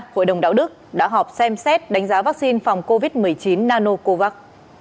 hội đồng đạo đức đã họp xem xét đánh giá vaccine phòng covid một mươi chín nanocovax